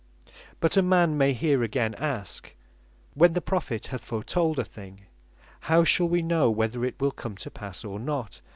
But a man may here again ask, When the Prophet hath foretold a thing, how shal we know whether it will come to passe or not?